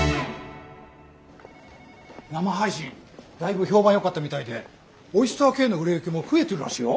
生配信だいぶ評判よかったみたいでオイスターＫの売れ行きも増えてるらしいよ。